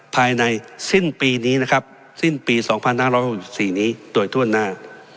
ภายในสิ้นปีนี้นะครับสิ้นปีสองพันห้าร้อยหกสิบสี่นี้โดยท่วนหน้า